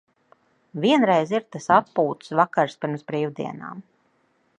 Vienreiz ir tas atpūtas vakars pirms brīvdienām.